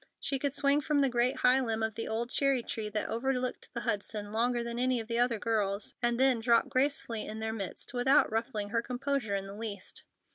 She could swing from the great high limb of the old cherry tree that overlooked the Hudson, longer than any of the other girls, and then drop gracefully in their midst, without ruffling her composure in the least.